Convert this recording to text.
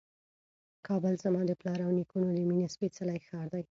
کابل زما د پلار او نیکونو د مېنې سپېڅلی ښار دی.